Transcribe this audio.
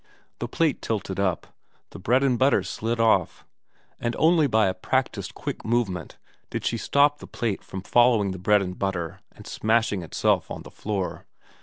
The plate tilted up ; the bread and butter slid off ; and only by a practised quick movement did she stop the plate from following the bread and butter and smashing itself on the floor.